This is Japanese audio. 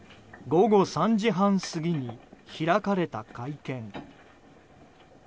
午後３時半過ぎに開かれた会見。